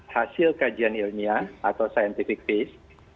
hasil kajian ilmiah atau scientific pace